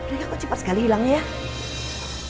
udah aku cepat sekali hilangnya ya